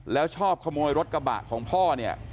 แล้วชอบขโมยรถกระบะของพ่อเนี่ย